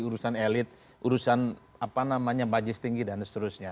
urusan elit urusan apa namanya bajis tinggi dan seterusnya